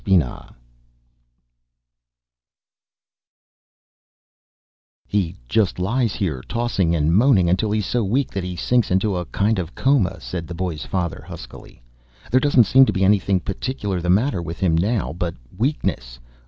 _] "He just lies here tossing and moaning until he's so weak that he sinks into a kind of coma," said the boy's father huskily. "There doesn't seem anything particular the matter with him now but weakness.